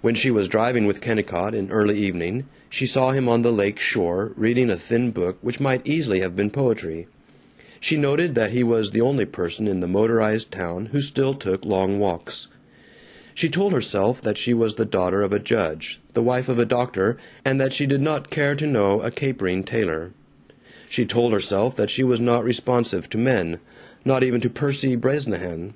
When she was driving with Kennicott, in early evening, she saw him on the lake shore, reading a thin book which might easily have been poetry. She noted that he was the only person in the motorized town who still took long walks. She told herself that she was the daughter of a judge, the wife of a doctor, and that she did not care to know a capering tailor. She told herself that she was not responsive to men ... not even to Percy Bresnahan.